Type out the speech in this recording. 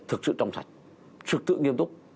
thực sự trong sạch thực sự nghiêm túc